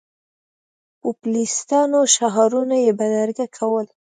پوپلیستانو شعارونه یې بدرګه کول.